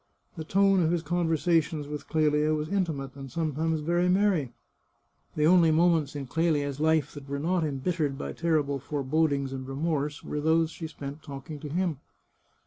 The tone of his conversations with Clelia was intimate, and sometimes very merry. The only moments in Clelia's life that were not embittered by terrible forebodings and remorse were those she spent talking to him.